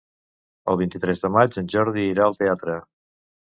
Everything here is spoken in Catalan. El vint-i-tres de maig en Jordi irà al teatre.